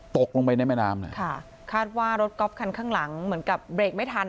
ตกลงไปในแม่น้ำค่ะคาดว่ารถก๊อฟคันข้างหลังเหมือนกับเบรกไม่ทัน